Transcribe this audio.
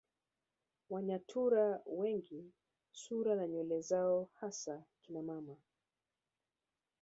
Wanyaturu wengi sura na nywele zao hasa kina mama